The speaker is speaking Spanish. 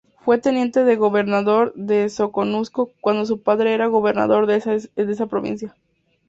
Fue teniente de gobernador de Soconusco, cuando su padre era gobernador de esa provincia.